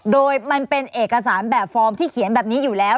โดยมันเป็นเอกสารแบบฟอร์มที่เขียนแบบนี้อยู่แล้ว